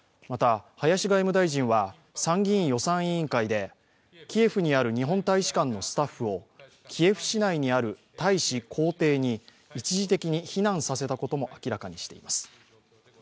また、林外務大臣は参議院予算委員会でキエフにある日本大使館のスタッフをキエフ市内にある大使公邸に一時的に避難させたことも明らかにしています。